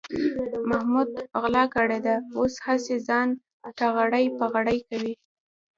محمود غلا کړې ده، اوس هسې ځان تغړې پغړې کوي.